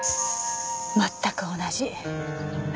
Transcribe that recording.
全く同じ。